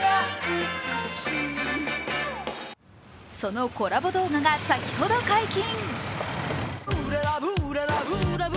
そのコラボ動画が先ほど解禁。